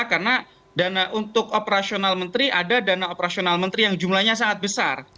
karena dana untuk operasional menteri ada dana operasional menteri yang jumlahnya sangat besar